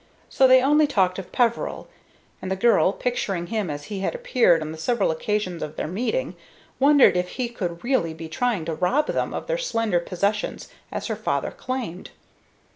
So they only talked of Peveril; and the girl, picturing him as he had appeared on the several occasions of their meeting, wondered if he could really be trying to rob them of their slender possessions, as her father claimed.